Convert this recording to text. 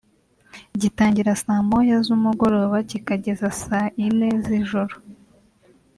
gitangira saa moya z’umugoroba kikageza saa ine z’ijoro